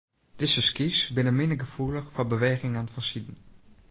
Dizze skys binne minder gefoelich foar bewegingen fansiden.